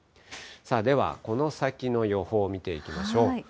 ではこの先の予報を見ていきましょう。